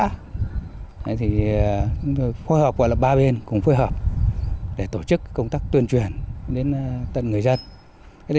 chúng tôi phối hợp với ba bên để tổ chức công tác tuyên truyền đến tận người dân